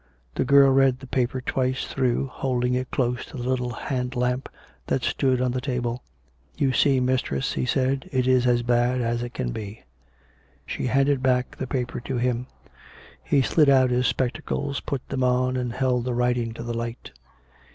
The girl read the paper twice through, holding it close to the little hand lamp that stood on the table. ^56 COME RACK! COME ROPE! " You see, mistress," he said, " it is as bad as it can be." She handed back the paper to him; he slid out his spec tacles, put them on, and held the writing to the light.